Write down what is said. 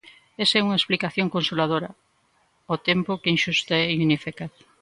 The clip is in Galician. Esa é unha explicación consoladora, ao tempo que inxusta e ineficaz.